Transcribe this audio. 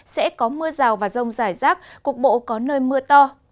sẽ có mưa rào và rông rải rác cục bộ có nơi mưa to